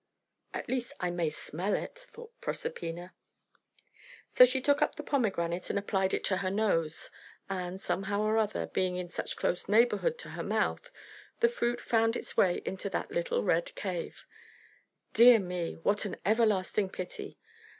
"At least, I may smell it," thought Proserpina. So she took up the pomegranate, and applied it to her nose; and, somehow or other, being in such close neighbourhood to her mouth, the fruit found its way into that little red cave. Dear me! what an everlasting pity!